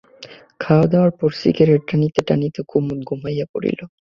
খাওয়াদাওয়ার পর সিগারেট টানিতে টানিতে কুমুদ ঘুমাইয়া পড়িল।